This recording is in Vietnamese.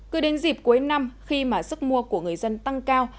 cứ đến dịp cuối năm khi mà sức mua của người dân tăng cao